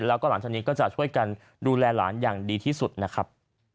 แล้วก็หลังจากนี้ก็จะช่วยกันดูแลหลานอย่างดีที่สุดนะครับ